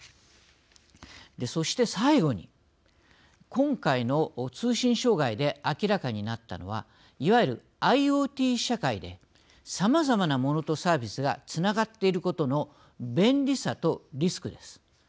そして、最後に今回の通信障害で明らかになったのはいわゆるＩｏＴ社会でさまざまなモノとサービスがつながっていることの便利さとリスクです。